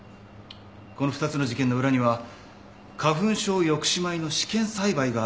この２つの事件の裏には花粉症抑止米の試験栽培があると思われますが。